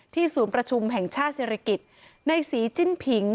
ที่สูงประชุมแห่งชาติศัพท์ศิริกิษฐ์ในสีจิ้นผิง